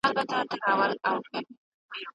کار فرصتونه بې وزلي او اړتیا راکموي.